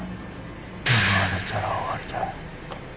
奪われたら終わりだ。